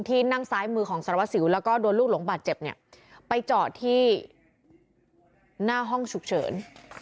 นั่งซ้ายมือของสารวัสสิวแล้วก็โดนลูกหลงบาดเจ็บเนี่ยไปจอดที่หน้าห้องฉุกเฉิน